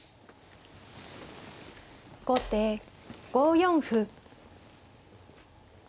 後手５四歩。